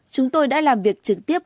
chúng tôi đã làm việc trực tiếp